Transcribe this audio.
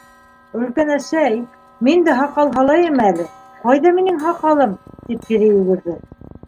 — Өлкән әсәй, мин дә һаҡал һалайым әле, ҡайҙа минең һаҡалым? — тип, кире йүгерҙе.